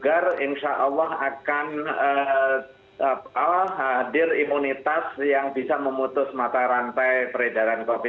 agar insya allah akan hadir imunitas yang bisa memutus mata rantai peredaran covid sembilan belas